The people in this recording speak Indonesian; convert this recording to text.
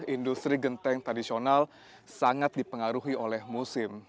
industri genteng tradisional sangat dipengaruhi oleh musim